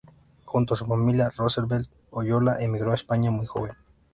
Junto a su familia Roosevelt Oyola emigro a España muy joven.